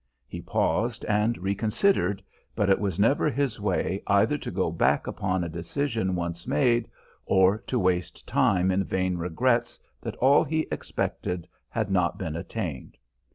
He paused and reconsidered, but it was never his way either to go back upon a decision once made, or to waste time in vain regrets that all he expected had not been attained.